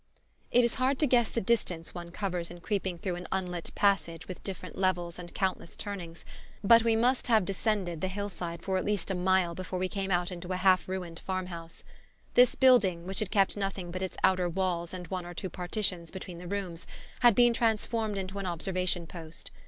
It is hard to guess the distance one covers in creeping through an unlit passage with different levels and countless turnings; but we must have descended the hillside for at least a mile before we came out into a half ruined farmhouse. This building, which had kept nothing but its outer walls and one or two partitions between the rooms, had been transformed into an observation post.